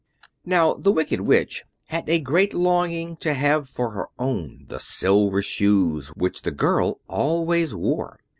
Now the Wicked Witch had a great longing to have for her own the Silver Shoes which the girl always wore.